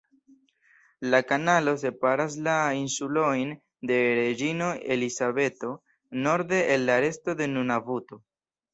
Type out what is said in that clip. La kanalo separas la Insulojn de Reĝino Elizabeto norde el la resto de Nunavuto.